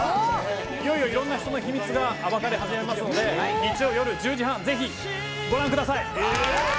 いよいよいろんな人の秘密が暴かれ始めますので日曜夜１０時半ぜひご覧ください。